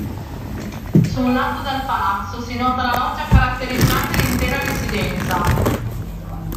Su un lato del palazzo si nota la loggia caratterizzante l'intera residenza.